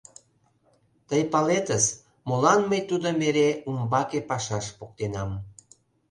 Тый палетыс, молан мый тудым эре умбаке пашаш поктенам.